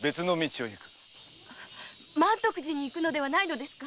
満徳寺に行くのではないのですか？